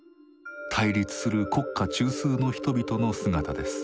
対立する国家中枢の人々の姿です。